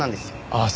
ああ。